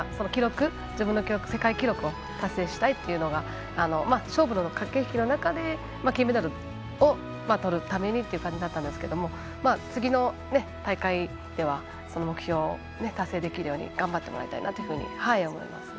自分の世界記録を達成したいというのが勝負の駆け引きの中で金メダルを取るためにという感じだったんですけども次の大会ではその目標を達成できるように頑張ってもらいたいなと思いますね。